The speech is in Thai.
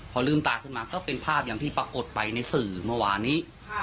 พอลืมตาขึ้นมาก็เป็นภาพอย่างที่ปรากฏไปในสื่อเมื่อวานนี้